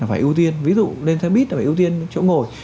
phải ưu tiên ví dụ lên xe buýt phải ưu tiên chỗ ngồi